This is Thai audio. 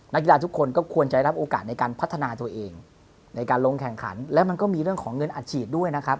กีฬาทุกคนก็ควรจะได้รับโอกาสในการพัฒนาตัวเองในการลงแข่งขันแล้วมันก็มีเรื่องของเงินอัดฉีดด้วยนะครับ